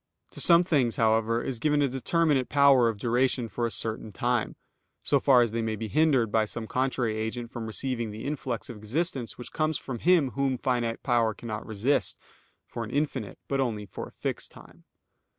To some things, however, is given a determinate power of duration for a certain time, so far as they may be hindered by some contrary agent from receiving the influx of existence which comes from Him Whom finite power cannot resist, for an infinite, but only for a fixed time.